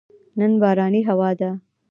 نن بارانې هوا ده